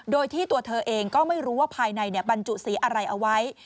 โดยที่ตัวเธอเองก็ไม่รู้ว่าภายในบรรจุสีอะไรเอาไว้